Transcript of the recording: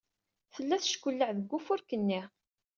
Tella teckelleɛ deg ufurk-nni.